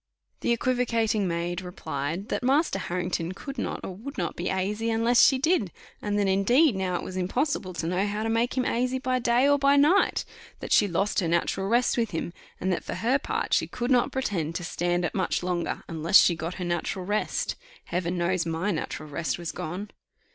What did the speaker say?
The equivocating maid replied, that Master Harrington could not or would not be asy unless she did; and that indeed now it was impossible to know how to make him asy by day or by night; that she lost her natural rest with him; and that for her part she could not pretend to stand it much longer, unless she got her natural rest. Heaven knows my natural rest was gone!